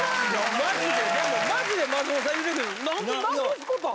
マジで！？